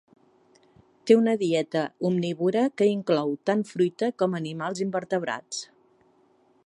Té una dieta omnívora que inclou tant fruita com animals invertebrats.